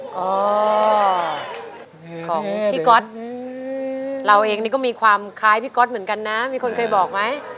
ก็ของพี่ก๊อตเราเองนี่ก็มีความคล้ายพี่ก๊อตเหมือนกันนะมีคนเคยบอกไหม